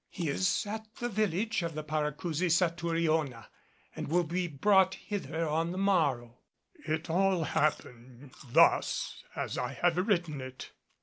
He is at the village of the Paracousi Satouriona and will be brought hither on the morrow." It all happened thus as I have written it.